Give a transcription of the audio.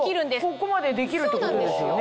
ここまでできるってことですよね